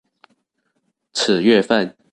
此月份